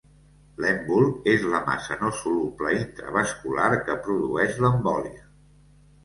L'èmbol és la massa no soluble intravascular que produeix l'embòlia.